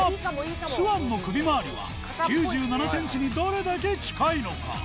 スワンの首回りは９７ｃｍにどれだけ近いのか？